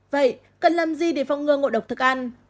vậy cần làm gì để phong ngừa ngộ độc thực ăn